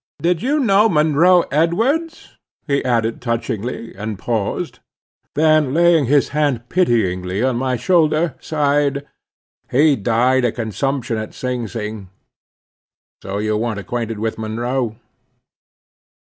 Did you know Monroe Edwards?" he added touchingly, and paused. Then, laying his hand pityingly on my shoulder, sighed, "he died of consumption at Sing Sing. So you weren't acquainted with Monroe?"